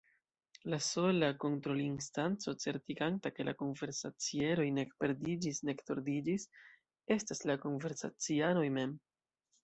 La sola kontrolinstanco certiganta, ke konversacieroj nek perdiĝis nek tordiĝis, estas la konversacianoj mem.